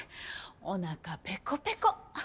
おなかペコペコ。